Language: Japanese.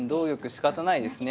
しかたないですね。